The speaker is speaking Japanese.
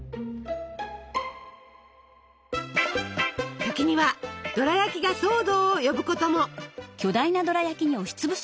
時にはドラやきが騒動を呼ぶことも。